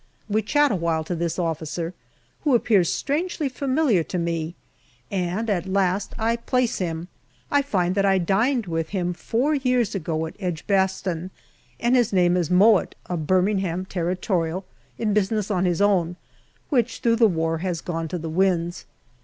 We chat awhile to this officer, who appears strangely familiar to me, and at last I place him. I find that I dined with him four years ago in Edgbaston, and his name is Mowatt, a Birmingham Territorial in business on his own, which through the war has gone to the winds.